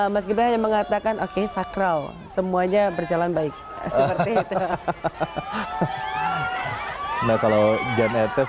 mas gibran hanya mengatakan oke sakral semuanya berjalan baik seperti itu nah kalau jam etes